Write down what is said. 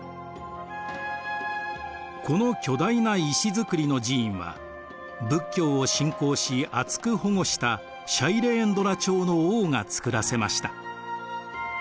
この巨大な石造りの寺院は仏教を信仰し厚く保護したシャイレーンドラ朝の王が造らせました。